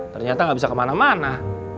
ternyata nggak bisa kemana mana